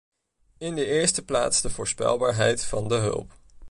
In de eerste plaats de voorspelbaarheid van de hulp.